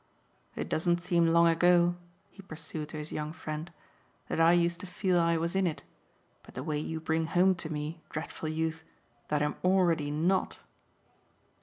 It doesn't seem long ago," he pursued to his young friend, "that I used to feel I was in it; but the way you bring home to me, dreadful youth, that I'm already NOT